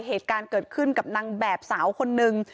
เหตุการณ์เกิดขึ้นกับนางแบบสาวคนนึง